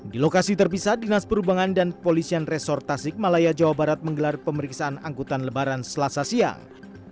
di lokasi terpisah dinas perhubungan dan kepolisian resor tasik malaya jawa barat menggelar pemeriksaan angkutan lebaran selasa siang